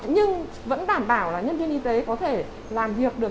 nhưng vẫn đảm bảo là nhân viên y tế có thể làm việc được